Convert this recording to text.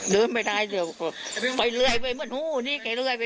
เดินไม่ได้เดี๋ยวก็ไปเรื่อยไปเหมือนหูนี่แกเลื่อยไป